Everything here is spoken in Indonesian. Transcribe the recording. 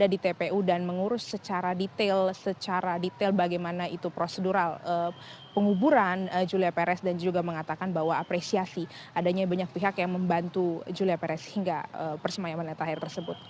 dan juga ada di tpu dan mengurus secara detail detail bagaimana itu prosedural penguburan julia perez dan juga mengatakan bahwa apresiasi adanya banyak pihak yang membantu julia perez hingga persemayam terakhir tersebut